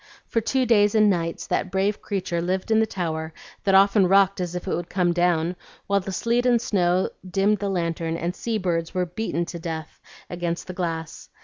For two days and nights that brave creature lived in the tower, that often rocked as if it would come down, while the sleet and snow dimmed the lantern, and sea birds were beaten to death against the glass.